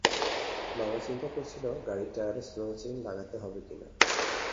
বাবা চিন্তা করছিল গাড়ির টায়ারে স্নো চেইন লাগাতে হবে কিনা।